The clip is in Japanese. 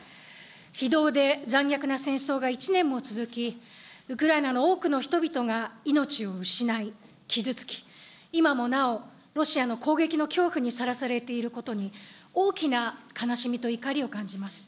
非道で残虐な戦争が１年も続き、ウクライナの多くの人々が命を失い、傷つき、今もなお、ロシアの攻撃の恐怖にさらされていることに、大きな悲しみと怒りを感じます。